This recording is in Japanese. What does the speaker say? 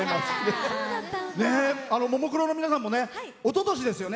ももクロの皆さんもおととしですよね